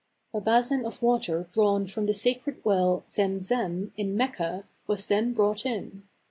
A basin of water drawn from the sacred well Zem Zem, in Mecca, was then brought in.